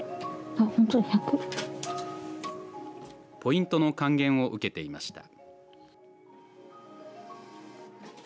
ポイントの還元を受けていました。